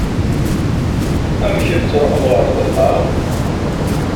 Amek i tettruḥuḍ ɣer lxedma?